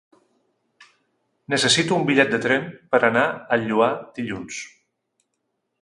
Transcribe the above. Necessito un bitllet de tren per anar al Lloar dilluns.